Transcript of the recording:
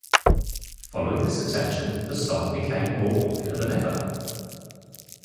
Following this attention, the song became more popular than ever.